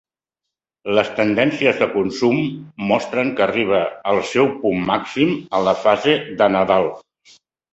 Les tendències de consum mostren que arriba al seu punt màxim a la fase de Nadal.